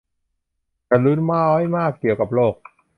ฉันรู้น้อยมากเกี่ยวกับโลก !